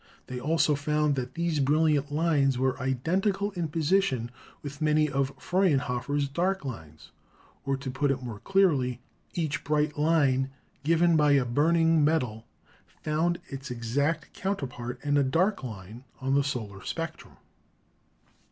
They also found that these brilliant lines were identical in position with many of Frauenhofer's dark lines ; or to put it more clear ly, each bright line given by a burning metal found its exact counterpart in a dark line on the solar spectrum.